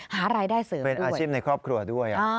หารายได้เสริมเป็นอาชีพในครอบครัวด้วย